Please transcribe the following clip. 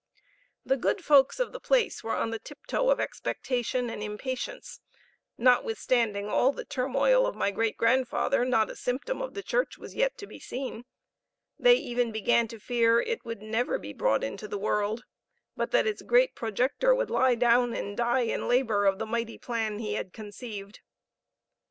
The good folks of the place were on the tiptoe of expectation and impatience notwithstanding all the turmoil of my great grandfather, not a symptom of the church was yet to be seen; they even began to fear it would never be brought into the world, but that its great projector would lie down and die in labor of the mighty plan he had conceived.